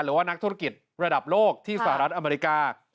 หรือว่านักธุรกิจระดับโลกที่สหรัฐอเมริกา